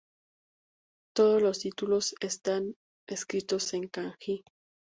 Todos los títulos están escritos en Kanji